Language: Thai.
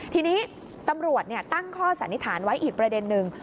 ทีนี้ตำรวจตั้งข้อสันนิษฐานไว้อีกประเด็นนึง